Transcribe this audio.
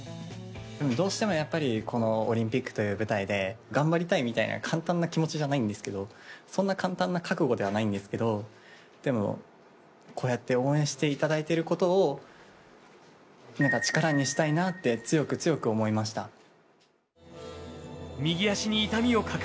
どうしてもやっぱりこのオリンピックという舞台で頑張りたいみたいな簡単な気持ちじゃないんですけどそんな簡単な覚悟ではないんですけどでも、こうやって応援していただいていることを力にしたいなって強く強く思いました。